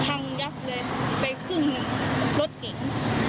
พังยับเลยไปครึ่งรถเก๋ง